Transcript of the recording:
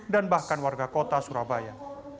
dan bahkan warga kota surabaya